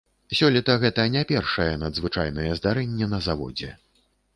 Сёлета гэта не першае надзвычайнае здарэнне на заводзе.